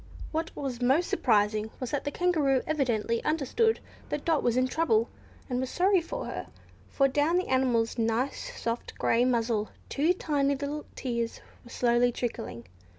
What was most surprising was the fact that the Kangaroo evidently understood that Dot was in trouble, and was sorry for her; for down the animal's nice soft grey muzzle two tiny little tears were slowly trickling.